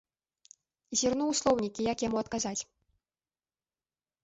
Зірну ў слоўнікі, як яму адказаць.